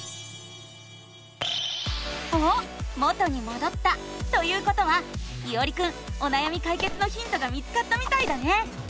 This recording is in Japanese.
おっ元にもどったということはいおりくんおなやみかいけつのヒントが見つかったみたいだね！